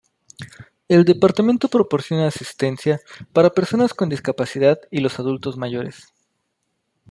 El departamento proporciona asistencia para personas con discapacidad y los adultos mayores.